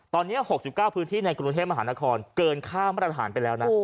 ตอนนี้๖๙พื้นที่ในกรุงเทพมหานครเกินค่ามาตรฐานไปแล้วนะ